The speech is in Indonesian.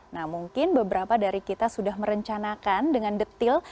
nah mungkin beberapa dari kita sudah merencanakan dengan detil